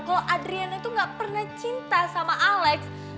kalau adriana itu gak pernah cinta sama alex